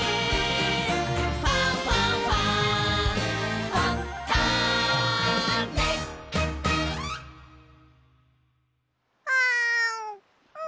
「ファンファンファン」あん。